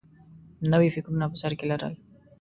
نوي فکرونه په سر کې لرل